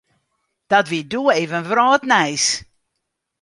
Dat wie doe even wrâldnijs.